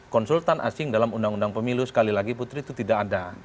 konsultan asing dalam undang undang pemilu sekali lagi putri itu tidak ada